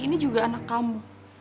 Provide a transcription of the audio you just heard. ini juga anak kamu